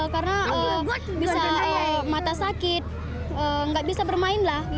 karena bisa mata sakit enggak bisa bermain lah